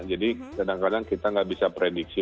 jadi kadang kadang kita tidak bisa prediksi